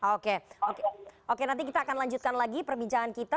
oke oke nanti kita akan lanjutkan lagi perbincangan kita